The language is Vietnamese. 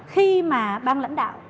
khi mà bang lãnh đạo